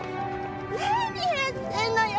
何やってんのよ！